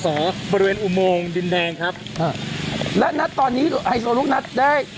ทางกลุ่มมวลชนทะลุฟ้าทางกลุ่มมวลชนทะลุฟ้า